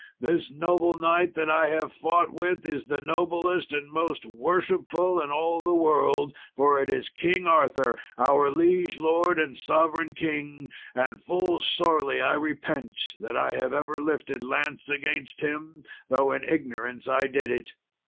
this noble knight that I have fought with is the noblest and most worshipful in all the world; for it is King Arthur, our liege lord and sovereign king; and full sorely I repent that I have ever lifted lance against him, though in ignorance I did it."